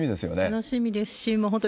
楽しみですし、本当、